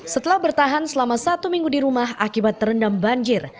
setelah bertahan selama satu minggu di rumah akibat terendam banjir